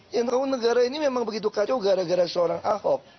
yang kamu negara ini memang begitu kacau gara gara seorang ahok